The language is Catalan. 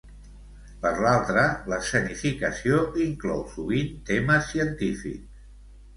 Per l'altra, l'escenificació inclou sovint temes científics.